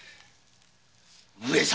上様！